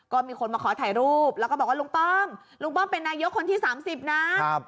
ก็มีคนมาขอถ่ายรูปแล้วก็บอกว่าลุงป้อมลุงป้อมเป็นนายกคนที่๓๐นะ